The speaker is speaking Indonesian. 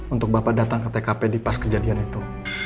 untuk bapak datang ke tkp di pas kejadian itu